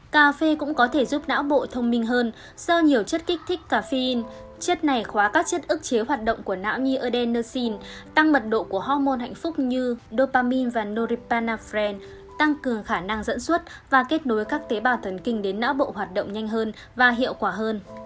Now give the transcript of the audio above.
cà phê cũng có thể giúp não bộ thông minh hơn do nhiều chất kích thích caffeine chất này khóa các chất ức chế hoạt động của não như adenosine tăng mật độ của hormôn hạnh phúc như dopamine và norepinephrine tăng cường khả năng dẫn suất và kết nối các tế bào thần kinh đến não bộ hoạt động nhanh hơn và hiệu quả hơn